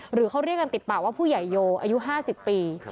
หรือเขาเรียกกันติดปากว่าผู้ใหญ่โยอายุ๕๐ปี